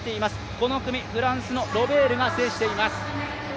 この組、フランスのロベールが制しています。